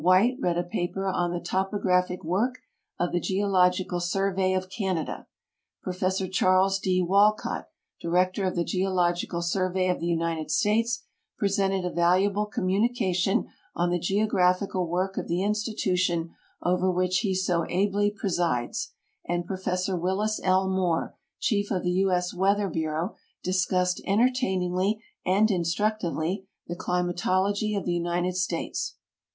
White read a paper on the Topographic Work of the Geological Survey of Canada ; Prof. Charles D. Walcott, Director of the Geological Survey of the United States, presented a valuable communication on the geographical work of the institution over which he so al)ly pre sides, and Prof. Willis L. Moore, Chief of the U. S. Weatlu r Bureau, discussed entertainingly and instructively the Clima tology of the United States.